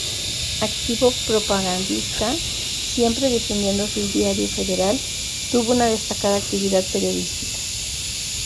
Activo propagandista, siempre difundiendo su ideario federal, tuvo una destacada actividad periodística.